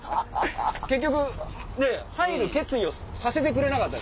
結局入る決意をさせてくれなかった。